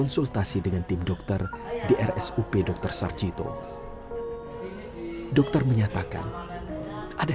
jangan gemar shay dan jelle massa